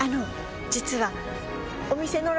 実は。